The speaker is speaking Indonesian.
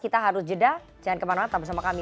kita harus jeda jangan kemana mana tetap bersama kami